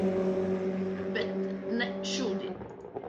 Bet ne šodien...